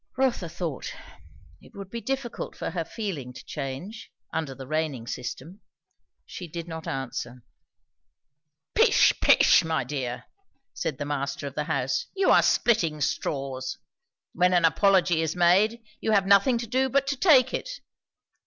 Rotha thought, It would be difficult for her feeling to change, under the reigning system. She did not answer. "Pish, pish, my dear!" said the master of the house, "you are splitting straws. When an apology is made, you have nothing to do but to take it.